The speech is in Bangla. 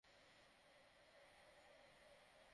সতর্ক থেকো, ইয়াকারি!